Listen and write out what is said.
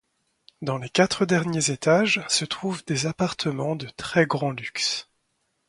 Dans les quatre derniers étages se trouvent des appartements de très grand luxe.